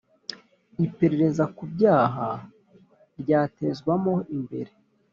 iperereza ku byaha ryatezwamo imbere